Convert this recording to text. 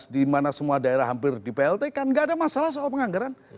di mana semua daerah hampir di plt kan nggak ada masalah soal penganggaran